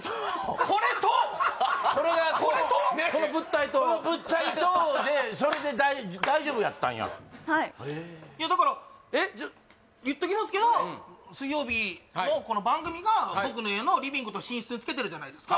この物体と物体とでそれで大丈夫やったんやはいいやだからいっときますけど「水曜日」のこの番組が僕の家の寝室とリビングにつけてるじゃないですか